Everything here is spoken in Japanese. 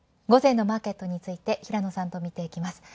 午前のマーケットについて平野さんと見ていきます